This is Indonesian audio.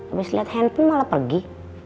abis lihat handphone malah pergi